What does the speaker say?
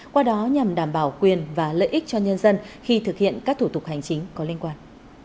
qua đó nhằm đảm bảo quyền và lợi ích cho nhân dân khi thực hiện các thủ tục hành chính có liên quan